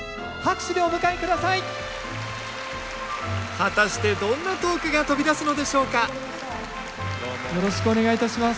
果たしてどんなトークが飛び出すのでしょうかよろしくお願いいたします。